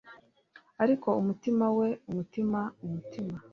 ariko umutima we! umutima! umutima